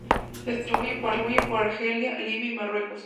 Se distribuye por Argelia, Libia y Marruecos.